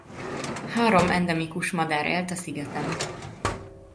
Három endemikus madár élt a szigeten.